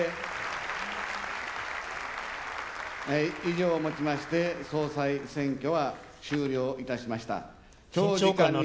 以上をもちまして、総裁選挙は終了いたしました。